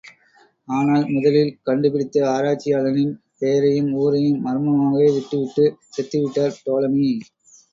ஆனால், முதலில் கண்டு பிடித்த ஆராய்ச்சியாளனின் பெயரையும் ஊரையும் மர்மமாகவே விட்டு விட்டுச் செத்து விட்டார் டோலமி.